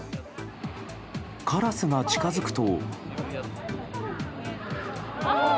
カラスが近づくと。